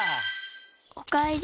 おかえり。